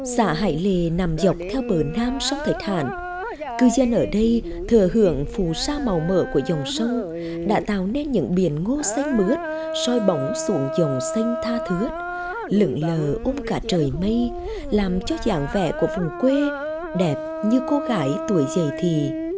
xã hải lề nằm dọc theo bờ nam sông thái thản cư dân ở đây thừa hưởng phù sa màu mở của dòng sông đã tạo nên những biển ngô xanh mướt soi bóng sụn dòng xanh tha thướt lựng lờ ôm cả trời mây làm cho dạng vẻ của vùng quê đẹp như cô gái